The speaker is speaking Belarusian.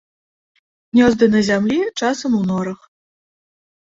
Гнёзды на зямлі, часам у норах.